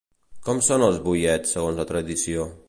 Com són els boiets segons la tradició?